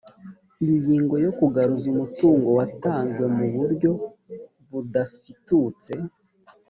ingingo yo kugaruza umutungo watanzwemuburyo budafitutse